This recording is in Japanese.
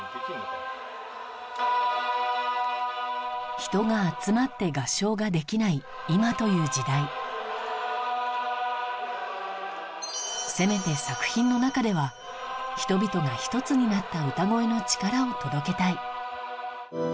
人が集まって合唱ができない今という時代せめて作品の中では人々が１つになった歌声の力を届けたい